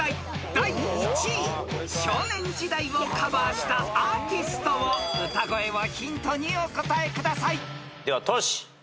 ［第１位『少年時代』をカバーしたアーティストを歌声をヒントにお答えください］ではトシ。